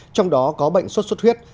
trong đó có bệnh suốt suốt huyết